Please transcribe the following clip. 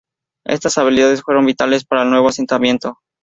Estas habilidades fueron vitales para el nuevo asentamiento.